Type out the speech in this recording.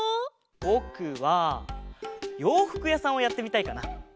ぼくはようふくやさんをやってみたいかな。